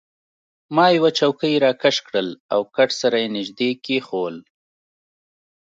ما یوه چوکۍ راکش کړل او کټ سره يې نژدې کښېښوول.